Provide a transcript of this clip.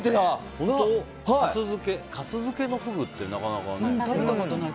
粕漬けのフグってなかなかね。